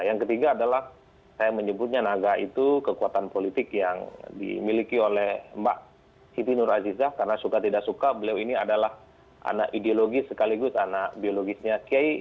yang ketiga adalah saya menyebutnya naga itu kekuatan politik yang dimiliki oleh mbak siti nur azizah karena suka tidak suka beliau ini adalah anak ideologis sekaligus anak biologisnya kiai